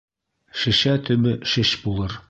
Шешә төбө шеш булыр.